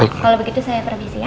kalau begitu saya perbisi ya